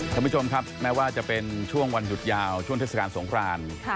ท่านผู้ชมครับแม้ว่าจะเป็นช่วงวันหยุดยาวช่วงเทศกาลสงคราน